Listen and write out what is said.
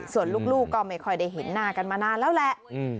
ส่วนลูกก็ไม่ค่อยได้เห็นหน้ากันมานานแล้วแหละ